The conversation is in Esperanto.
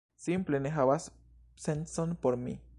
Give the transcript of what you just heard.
Simple ne havas sencon por mi